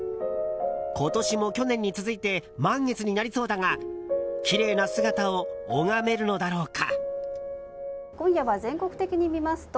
今年も去年に続いて満月になりそうだがきれいな姿を拝めるのだろうか。